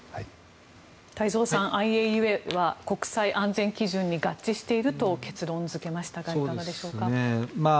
太蔵さん、ＩＡＥＡは国債安全基準に合致していると結論付けましたがいかがでしょうか？